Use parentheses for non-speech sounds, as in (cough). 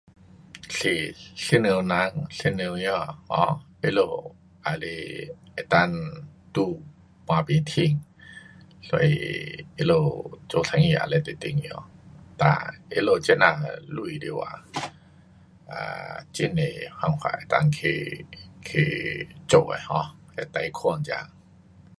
是，妇女人，少女儿，um 她们也是能够顶半边天。所以她们做生意也非常重要。哒，她们这那钱的话， (noise) um 很多方法能够去，去做的哈，如贷款这。